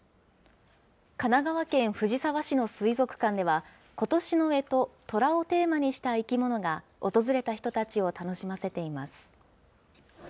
神奈川県藤沢市の水族館では、ことしのえと、とらをテーマにした生き物が訪れた人たちを楽しませています。